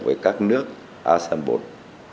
với các nước assembled